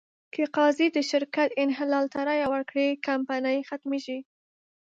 که قاضي د شرکت انحلال ته رایه ورکړي، کمپنۍ ختمېږي.